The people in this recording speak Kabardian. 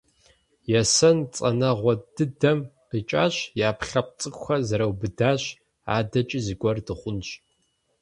Есэн цӀынэгъуэ дыдэм къикӀащ, и Ӏэпкълъэпкъ цӀыкӀухэр зэрыубыдащ. АдэкӀи зыгуэр дыхъунщ.